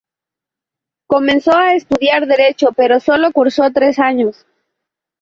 Comenzó a estudiar Derecho, pero solo cursó tres años.